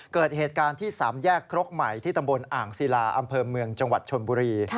เกิดเหตุการณ์ที่๓แยกครกใหม่ที่ตำบลอ่างศิลาอำเภอเมืองจังหวัดชนบุรี